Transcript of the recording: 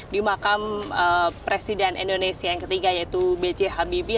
di makam presiden indonesia yang ketiga yaitu b j habibie